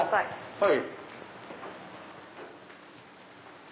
はい。